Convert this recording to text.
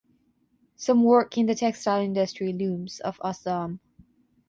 Some work in the textile industry (looms) of Assam.